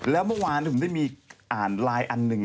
แล้วเมื่อวานผมได้มีอ่านไลน์อันหนึ่ง